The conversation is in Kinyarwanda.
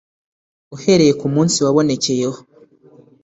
uhereye ku munsi wabonekeyeho